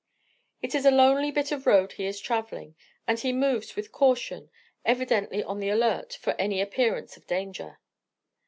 It is a lonely bit of road he is traveling and he moves with caution evidently on the alert for any appearance of danger.